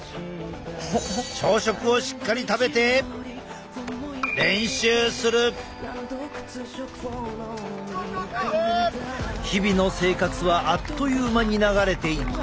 朝食をしっかり食べて日々の生活はあっという間に流れていった。